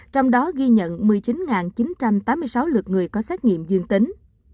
trong đó ghi nhận một mươi chín chín trăm tám mươi sáu lượt người có xét nghiệm dương tính